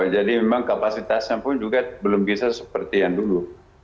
jadi memang kapasitasnya pun juga belum bisa seperti yang dulu